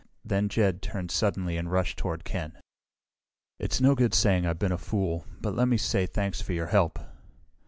Then Jed turned suddenly and rushed toward Ken. "It's no good saying I've been a fool, but let me say thanks for your help."